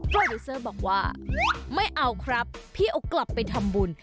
โปรดิวเซอร์บอกว่าไม่เอาครับพี่เอากลับไปทำบุญ